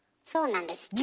そうなんです。